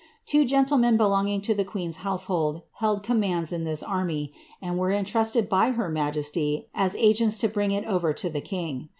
Two gentlemen be longing to the queen's household held commands in this army, and were entrusted by her majesty as agents to bring it over to the king.